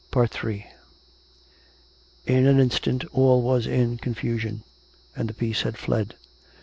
Ill In an instant all was in confusion; and the peace had fled.